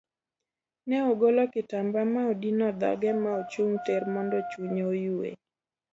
Ne ogolo kitamba ma odino dhoge ma ochung tir mondo chunye oyue.